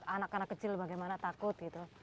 anak anak kecil bagaimana takut gitu